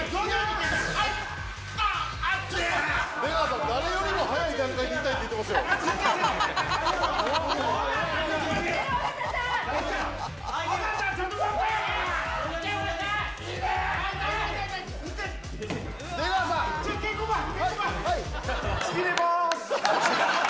あっ、出川さん、誰よりも早い段階で痛いって言ってますよ。